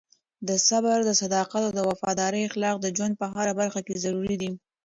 د صبر، صداقت او وفادارۍ اخلاق د ژوند په هره برخه کې ضروري دي.